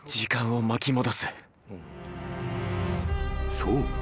［そう。